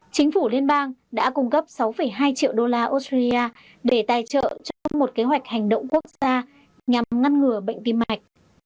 chính phủ liên bang đã cung cấp sáu hai triệu đô la australia để tài trợ cho một kế hoạch hành động quốc gia nhằm ngăn ngừa bệnh tim mạch